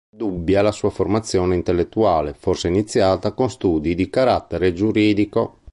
Dubbia la sua formazione intellettuale, forse iniziata con studi di carattere giuridico.